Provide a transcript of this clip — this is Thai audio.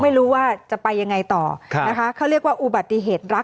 ไม่รู้ว่าจะไปยังไงต่อนะคะเขาเรียกว่าอุบัติเหตุรัฐ